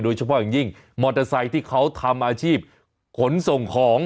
โดยเฉพาะอย่างยิ่งมอเตอร์ไซค์ที่เขาทำอาชีพขนส่งของ